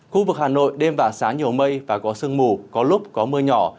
khu vực hà nội đêm và sáng nhiều mây và có sương mù có lúc có mưa nhỏ